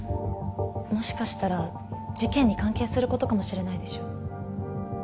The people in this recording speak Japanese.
もしかしたら事件に関係する事かもしれないでしょう？